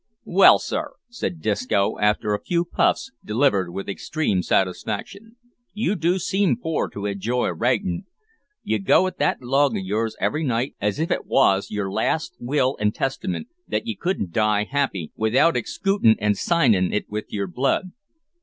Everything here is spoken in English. "Well, sir," said Disco, after a few puffs delivered with extreme satisfaction, "you do seem for to enjoy writin'. You go at that log of yours every night, as if it wos yer last will and testament that ye couldn't die happy without exikootin' an' signin' it with yer blood."